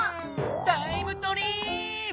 タイムトリーップ！